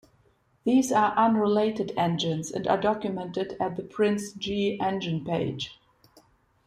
These are unrelated engines and are documented at the Prince G engine page.